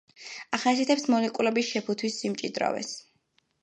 ახასიათებს მოლეკულების შეფუთვის სიმჭიდროვეს.